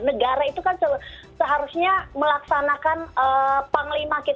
negara itu kan seharusnya melaksanakan panglima kita ini kan